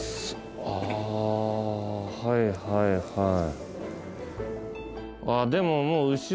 あはいはいはい。